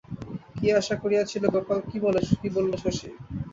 কী আশা করিয়াছিল গোপাল, কী বলিল শশী!